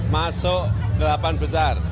masuk delapan besar